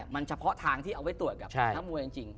มันเฉพาะทางที่เอาไว้ตรวจกับนักมวยจริง